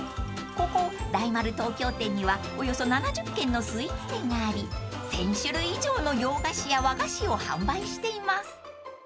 ［ここ大丸東京店にはおよそ７０軒のスイーツ店があり１，０００種類以上の洋菓子や和菓子を販売しています］